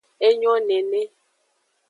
Enyo nene.